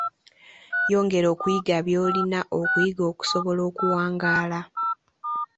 Yongera okuyiga by’olina okuyiga okusobola okuwangaala.